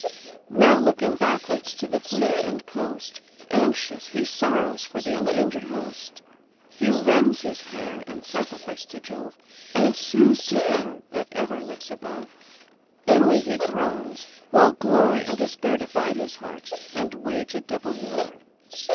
Now looking backwards to the fleet and coast, Anxious he sorrows for the endangered host. He rends his hair, in sacrifice to Jove, And sues to him that ever lives above: Inly he groans; while glory and despair Divide his heart, and wage a double war.